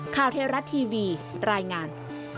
ข้าวเทรัตน์ทีวีรายงาน